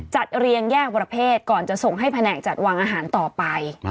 เรียงแยกประเภทก่อนจะส่งให้แผนกจัดวางอาหารต่อไป